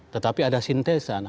tetapi ada sintesa